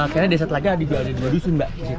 karena desa telaga ada dua dusun mbak